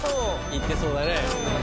いってそうだね。